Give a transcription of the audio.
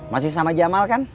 masih sama jamal kan